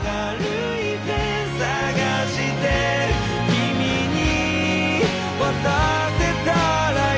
「君に渡せたらいい」